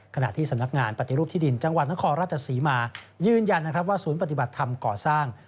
ขณะที่สำนักงานปฏิรูปที่ดินจังหวัดนครราชศรีมายืนยันนะครับว่าศูนย์ปฏิบัติธรรมก่อสร้าง